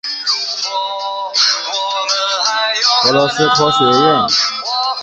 俄罗斯科学院克尔德什应用数学研究所是一所专门研究计算数学的研究所。